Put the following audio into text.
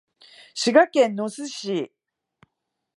滋賀県野洲市